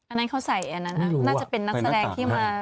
อันนั้นเขาใส่อันนั้นน่าจะเป็นนักแสดงที่มา